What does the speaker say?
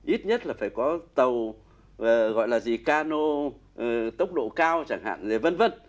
ít nhất là phải có tàu gọi là gì cano tốc độ cao chẳng hạn gì v v